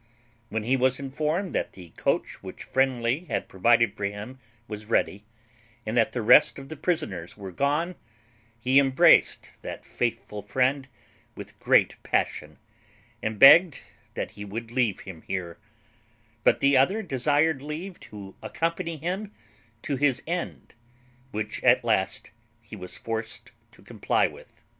When he was informed that the coach which Friendly had provided for him was ready, and that the rest of the prisoners were gone, he embraced that faithful friend with great passion, and begged that he would leave him here; but the other desired leave to accompany him to his end, which at last he was forced to comply with.